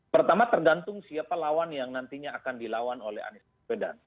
pertama tergantung siapa lawan yang nantinya akan dilawan oleh anies baswedan